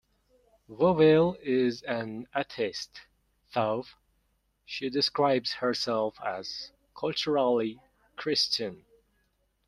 Vowell is an atheist, though she describes herself as culturally Christian.